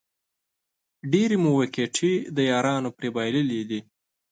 ډېرې مو وېکټې د یارانو پرې بایللې دي